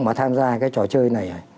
mà tham gia cái trò chơi này